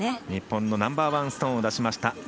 日本のナンバーワンストーンを出しました。